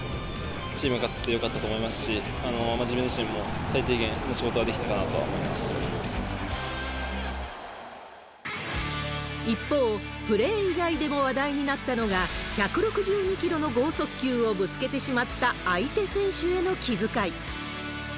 チームが勝ててよかったと思いますし、自分自身も最低限の仕事が一方、プレー以外でも話題になったのが、１６２キロの剛速球をぶつけてしまった相手選手への気遣い。